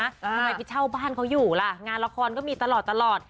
ทำไมไปเช่าบ้านเขาอยู่ล่ะงานละครก็มีตลอด